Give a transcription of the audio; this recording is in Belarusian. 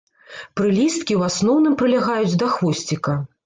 Прылісткі ў асноўным прылягаюць да хвосціка.